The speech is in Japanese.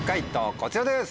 こちらです。